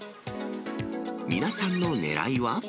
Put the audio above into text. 皆さんのねらいは。